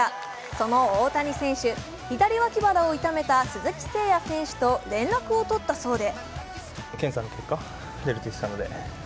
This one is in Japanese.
その大谷選手、左脇腹を痛めた鈴木誠也選手と連絡を取ったそうで。